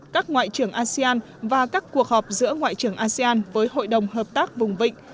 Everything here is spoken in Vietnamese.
các ngoại trưởng asean và các cuộc họp giữa ngoại trưởng asean với hội đồng hợp tác vùng vịnh